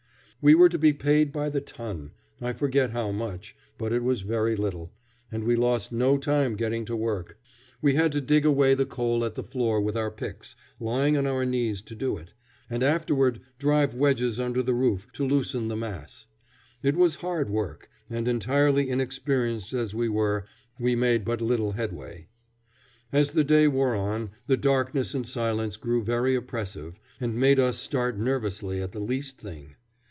We were to be paid by the ton, I forget how much, but it was very little, and we lost no time getting to work. We had to dig away the coal at the floor with our picks, lying on our knees to do it, and afterward drive wedges under the roof to loosen the mass. It was hard work, and, entirely inexperienced as we were, we made but little headway. As the day wore on, the darkness and silence grew very oppressive, and made us start nervously at the least thing.